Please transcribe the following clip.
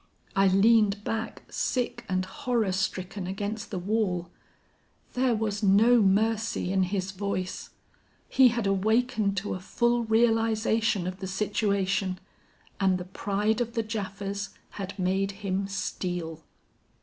I leaned back sick and horror stricken against the wall. There was no mercy in his voice: he had awakened to a full realization of the situation and the pride of the Japhas had made him steel.